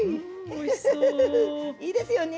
いいですよね！